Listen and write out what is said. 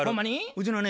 うちのね